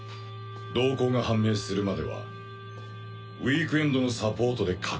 動向が判明するまではウィークエンドのサポートで隔離する。